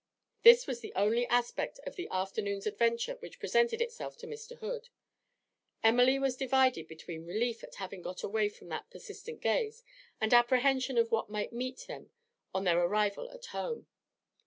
This was the only aspect of the afternoon's adventure which presented itself to Mr. Hood. Emily was divided between relief at having got away from that persistent gaze and apprehension of what might meet them on their arrival at home.